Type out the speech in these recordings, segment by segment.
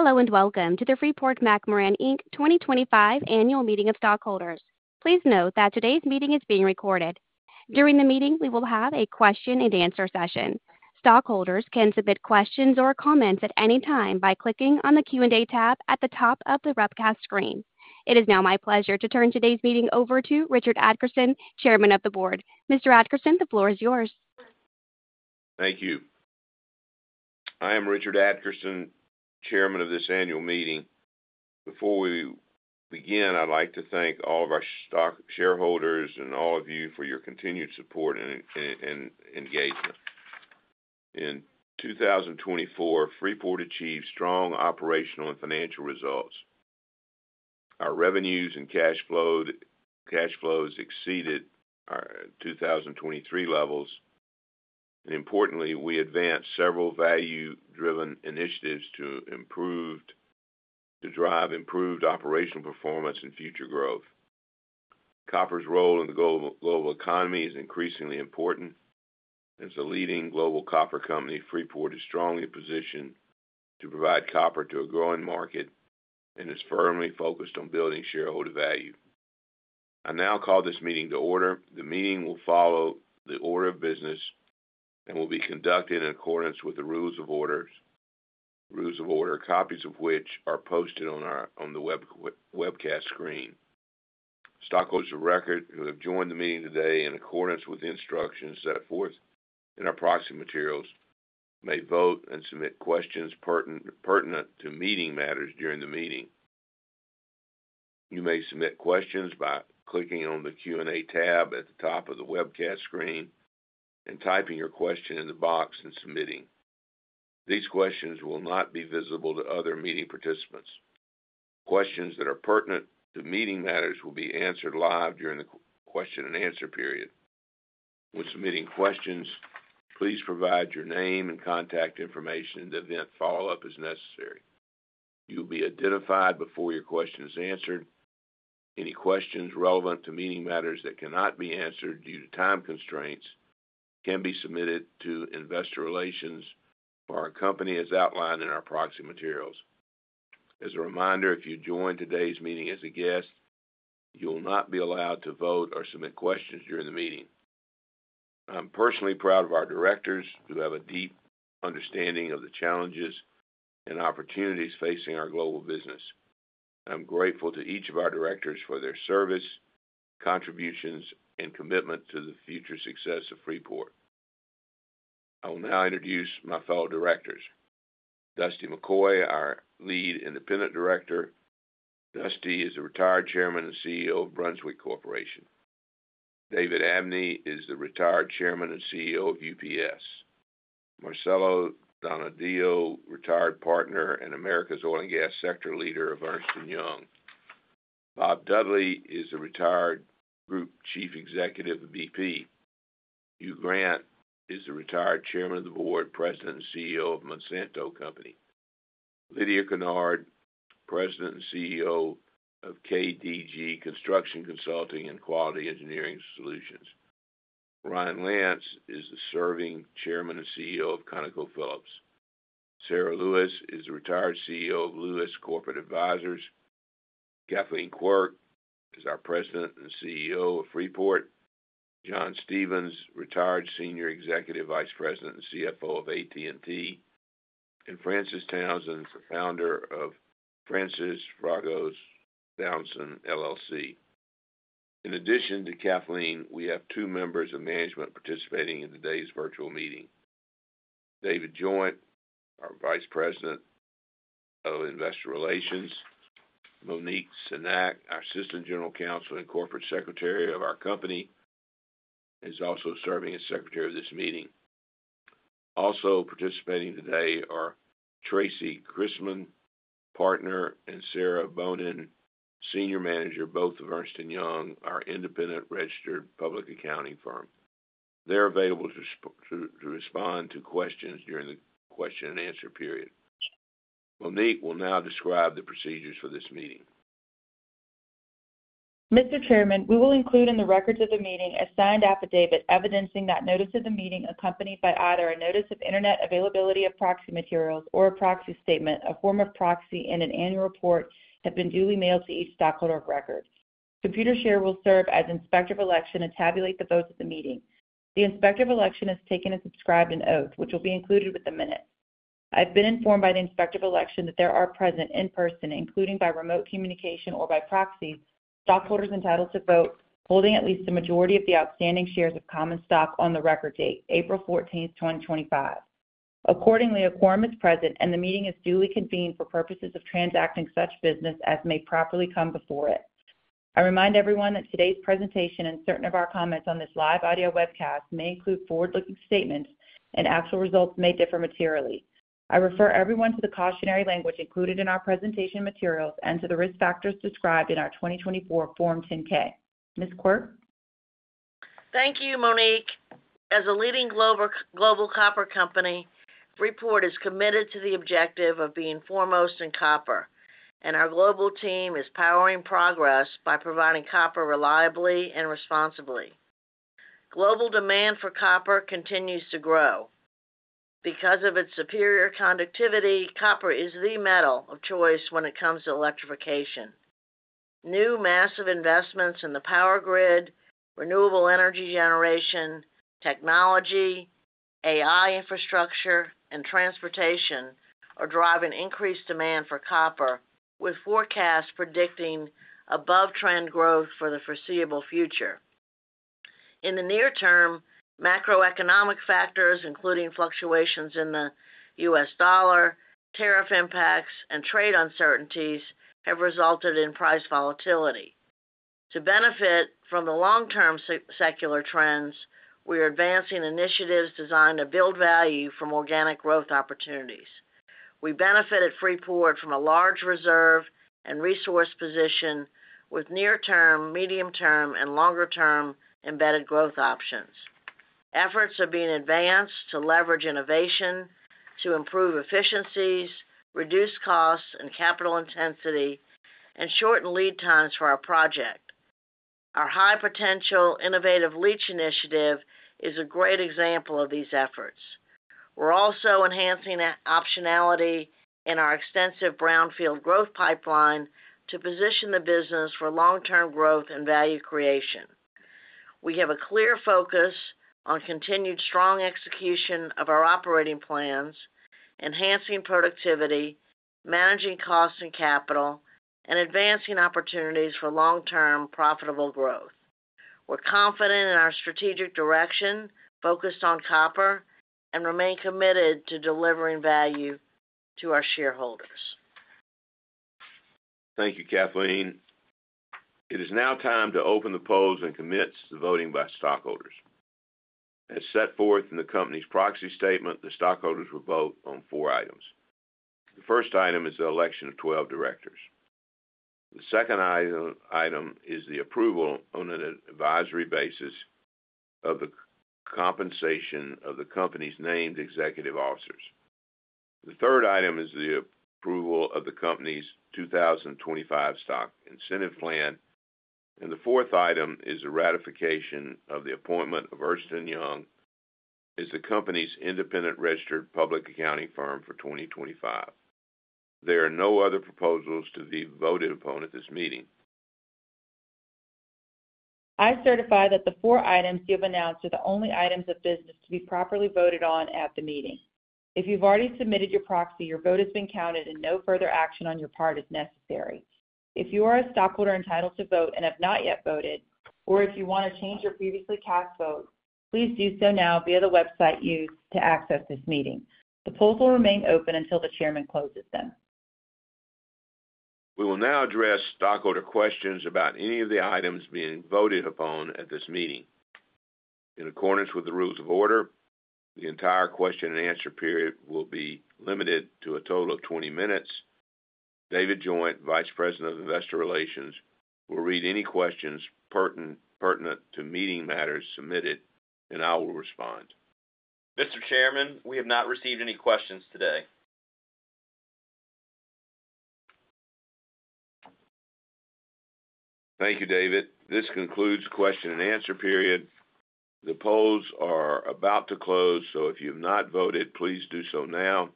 Hello and welcome to the Freeport-McMoRan Inc 2025 Annual Meeting of Stockholders. Please note that today's meeting is being recorded. During the meeting, we will have a question-and-answer session. Stockholders can submit questions or comments at any time by clicking on the Q&A tab at the top of the webcast screen. It is now my pleasure to turn today's meeting over to Richard Adkerson, Chairman of the Board. Mr. Adkerson, the floor is yours. Thank you. I am Richard Adkerson, Chairman of this Annual Meeting. Before we begin, I'd like to thank all of our shareholders and all of you for your continued support and engagement. In 2024, Freeport achieved strong operational and financial results. Our revenues and cash flows exceeded our 2023 levels. Importantly, we advanced several value-driven initiatives to drive improved operational performance and future growth. Copper's role in the global economy is increasingly important. As the leading global copper company, Freeport is strongly positioned to provide copper to a growing market and is firmly focused on building shareholder value. I now call this meeting to order. The meeting will follow the order of business and will be conducted in accordance with the rules of order. Rules of order copies of which are posted on the webcast screen. Stockholders of record who have joined the meeting today in accordance with the instructions set forth in our proxy materials may vote and submit questions pertinent to meeting matters during the meeting. You may submit questions by clicking on the Q&A tab at the top of the webcast screen and typing your question in the box and submitting. These questions will not be visible to other meeting participants. Questions that are pertinent to meeting matters will be answered live during the question-and-answer period. When submitting questions, please provide your name and contact information to follow-up as necessary. You will be identified before your question is answered. Any questions relevant to meeting matters that cannot be answered due to time constraints can be submitted to investor relations or our company, as outlined in our proxy materials. As a reminder, if you join today's meeting as a guest, you will not be allowed to vote or submit questions during the meeting. I'm personally proud of our directors who have a deep understanding of the challenges and opportunities facing our global business. I'm grateful to each of our directors for their service, contributions, and commitment to the future success of Freeport. I will now introduce my fellow directors. Dusty McCoy, our Lead Independent Director. Dusty is a retired Chairman and CEO of Brunswick Corporation. David Abney is the retired Chairman and CEO of UPS. Marcelo Donadillo, retired partner and Americas oil and gas sector leader of Ernst & Young. Bob Dudley is the retired Group Chief Executive of BP. Hugh Grant is the retired Chairman of the Board, President and CEO of Monsanto Company. Lydia Canard, President and CEO of KDG Construction Consulting and Quality Engineering Solutions. Ryan Lance is the serving Chairman and CEO of ConocoPhillips. Sarah Lewis is the retired CEO of Lewis Corporate Advisors. Kathleen Quirk is our President and CEO of Freeport. John Stevens, retired Senior Executive Vice President and CFO of AT&T. Frances Townsend, the founder of Frances Fragos Townsend, LLC. In addition to Kathleen, we have two members of management participating in today's virtual meeting. David Joint, our Vice President of Investor Relations. Monique Sanac, our Assistant General Counsel and Corporate Secretary of our company, is also serving as Secretary of this meeting. Also participating today are Tracy Christman, Partner, and Sarah Bonin, Senior Manager, both of Ernst & Young, our independent registered public accounting firm. They're available to respond to questions during the question-and-answer period. Monique will now describe the procedures for this meeting. Mr. Chairman, we will include in the records of the meeting a signed affidavit evidencing that notice of the meeting, accompanied by either a notice of internet availability of proxy materials or a proxy statement, a form of proxy, and an annual report have been duly mailed to each stockholder of record. Computershare will serve as inspector of election and tabulate the votes of the meeting. The inspector of election has taken and subscribed an oath, which will be included with the minutes. I've been informed by the inspector of election that there are present in person, including by remote communication or by proxy, stockholders entitled to vote, holding at least the majority of the outstanding shares of common stock on the record date, April 14th, 2025. Accordingly, a quorum is present and the meeting is duly convened for purposes of transacting such business as may properly come before it. I remind everyone that today's presentation and certain of our comments on this live audio webcast may include forward-looking statements and actual results may differ materially. I refer everyone to the cautionary language included in our presentation materials and to the risk factors described in our 2024 Form 10-K. Ms. Quirk? Thank you, Monique. As a leading global copper company, Freeport is committed to the objective of being foremost in copper, and our global team is powering progress by providing copper reliably and responsibly. Global demand for copper continues to grow. Because of its superior conductivity, copper is the metal of choice when it comes to electrification. New massive investments in the power grid, renewable energy generation, technology, AI infrastructure, and transportation are driving increased demand for copper, with forecasts predicting above-trend growth for the foreseeable future. In the near term, macroeconomic factors, including fluctuations in the U.S. dollar, tariff impacts, and trade uncertainties, have resulted in price volatility. To benefit from the long-term secular trends, we are advancing initiatives designed to build value from organic growth opportunities. We benefited Freeport from a large reserve and resource position with near-term, medium-term, and longer-term embedded growth options. Efforts are being advanced to leverage innovation to improve efficiencies, reduce costs and capital intensity, and shorten lead times for our project. Our high-potential innovative Leach initiative is a great example of these efforts. We're also enhancing optionality in our extensive Brownfield Growth Pipeline to position the business for long-term growth and value creation. We have a clear focus on continued strong execution of our operating plans, enhancing productivity, managing costs and capital, and advancing opportunities for long-term profitable growth. We're confident in our strategic direction, focused on copper, and remain committed to delivering value to our shareholders. Thank you, Kathleen. It is now time to open the polls and commit to voting by stockholders. As set forth in the company's proxy statement, the stockholders will vote on four items. The first item is the election of 12 directors. The second item is the approval on an advisory basis of the compensation of the company's named executive officers. The third item is the approval of the company's 2025 stock incentive plan. The fourth item is the ratification of the appointment of Ernst & Young as the company's independent registered public accounting firm for 2025. There are no other proposals to be voted upon at this meeting. I certify that the four items you have announced are the only items of business to be properly voted on at the meeting. If you've already submitted your proxy, your vote has been counted and no further action on your part is necessary. If you are a stockholder entitled to vote and have not yet voted, or if you want to change your previously cast vote, please do so now via the website used to access this meeting. The polls will remain open until the chairman closes them. We will now address stockholder questions about any of the items being voted upon at this meeting. In accordance with the rules of order, the entire question-and-answer period will be limited to a total of 20 minutes. David Joint, Vice President of Investor Relations, will read any questions pertinent to meeting matters submitted, and I will respond. Mr. Chairman, we have not received any questions today. Thank you, David. This concludes the question-and-answer period. The polls are about to close, so if you have not voted, please do so now.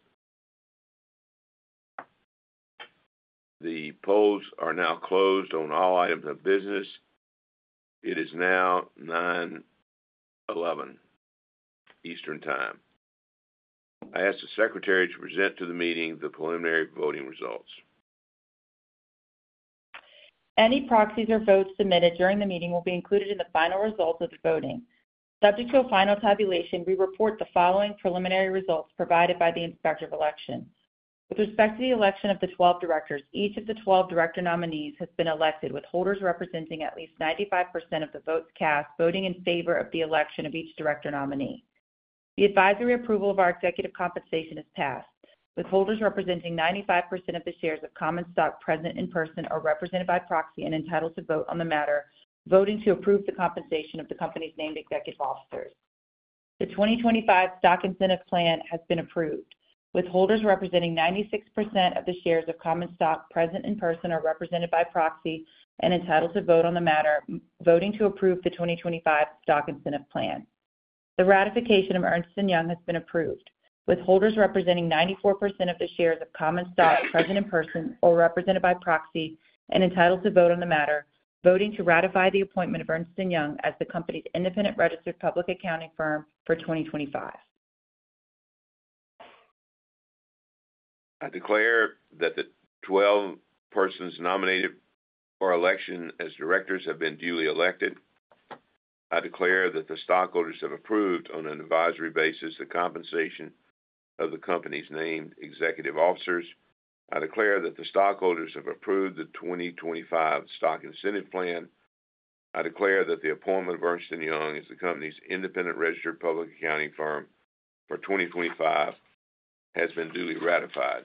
The polls are now closed on all items of business. It is now 9:11 A.M. Eastern Time. I ask the secretary to present to the meeting the preliminary voting results. Any proxies or votes submitted during the meeting will be included in the final results of the voting. Subject to a final tabulation, we report the following preliminary results provided by the inspector of election. With respect to the election of the 12 directors, each of the 12 director nominees has been elected with holders representing at least 95% of the votes cast voting in favor of the election of each director nominee. The advisory approval of our executive compensation is passed, with holders representing 95% of the shares of common stock present in person or represented by proxy and entitled to vote on the matter, voting to approve the compensation of the company's named executive officers. The 2025 stock incentive plan has been approved, with holders representing 96% of the shares of common stock present in person or represented by proxy and entitled to vote on the matter, voting to approve the 2025 stock incentive plan. The ratification of Ernst & Young has been approved, with holders representing 94% of the shares of common stock present in person or represented by proxy and entitled to vote on the matter, voting to ratify the appointment of Ernst & Young as the company's independent registered public accounting firm for 2025. I declare that the 12 persons nominated for election as directors have been duly elected. I declare that the stockholders have approved on an advisory basis the compensation of the company's named executive officers. I declare that the stockholders have approved the 2025 stock incentive plan. I declare that the appointment of Ernst & Young as the company's independent registered public accounting firm for 2025 has been duly ratified.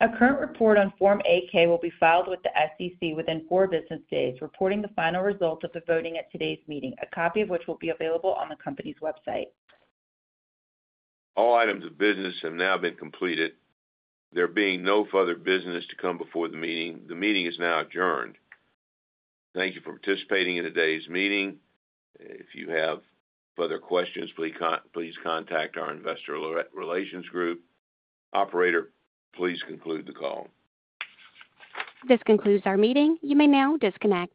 A current report on Form 8-K will be filed with the SEC within four business days, reporting the final results of the voting at today's meeting, a copy of which will be available on the company's website. All items of business have now been completed. There being no further business to come before the meeting, the meeting is now adjourned. Thank you for participating in today's meeting. If you have further questions, please contact our investor relations group. Operator, please conclude the call. This concludes our meeting. You may now disconnect.